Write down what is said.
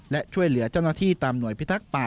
และช่วยเหลือเจ้าหน้าที่ตามหน่วยพิทักษ์ป่า